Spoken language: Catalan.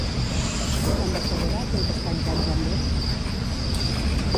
L'ambaixadora ha contestat Jan Jambon?